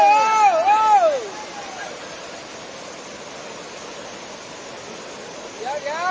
เฮ้ยเฮ้ย